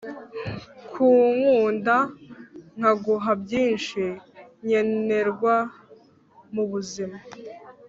kunkunda nkaguha byinshi nkenerwa mubuzima